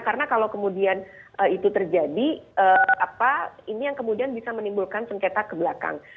karena kalau kemudian itu terjadi ini yang kemudian bisa menimbulkan sengketa ke belakang